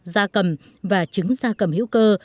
da cầm và trứng da cầm hữu cơ